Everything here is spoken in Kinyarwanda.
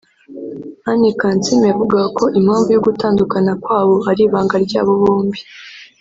Anne Kansiime yavugaga ko impamvu y’ugutandukana kwabo ari ibanga ryabo bombi